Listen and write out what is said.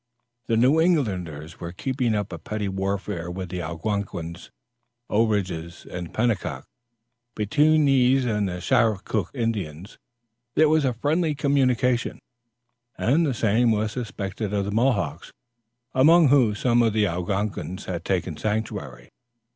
The New Englanders were keeping up a petty warfare with the Owenagungas, Ourages and Penocooks. Between these and the Schakook Indians, there was a friendly communication, and the same was suspected of the Mohawks, among whom some of the Owenagungas had taken sanctuary.